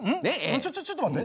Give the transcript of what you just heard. ちょちょっと待って。